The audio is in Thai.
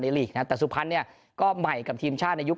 ในหลีกนะครับแต่สุพันธ์เนี้ยก็ใหม่กับทีมชาติในยุค